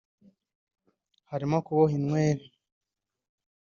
harimo kuboha inwere